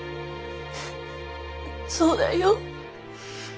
そうだよ。